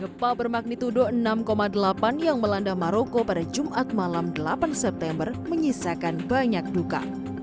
gempa bermagnitudo enam delapan yang melanda maroko pada jumat malam delapan september menyisakan banyak duka